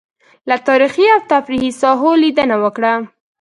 له تاريخي او تفريحي ساحو لېدنه وکړه.